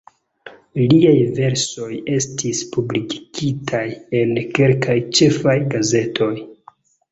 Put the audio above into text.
Liaj versoj estis publikigitaj en kelkaj ĉefaj gazetoj.